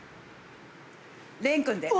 廉君です。